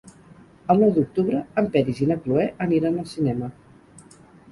El nou d'octubre en Peris i na Cloè aniran al cinema.